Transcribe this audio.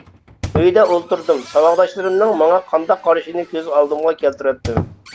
ئۆيدە ئولتۇردۇم ساۋاقداشلىرىمنىڭ ماڭا قانداق قارىشىنى كۆز ئالدىمغا كەلتۈرەتتىم.